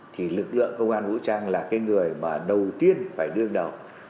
thì lực lượng công an vũ trang là người đầu tiên phải đương đầu